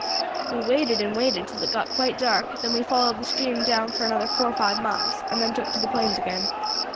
"We waited and waited, till it got quite dark; then we followed the stream down for another four or five miles, and then took to the plains again.